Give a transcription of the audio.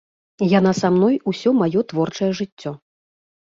Яна са мной усё маё творчае жыццё.